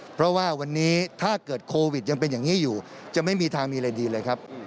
เพราะว่าวันนี้ถ้าเกิดโควิดยังเป็นอย่างนี้อยู่จะไม่มีทางมีอะไรดีเลยครับ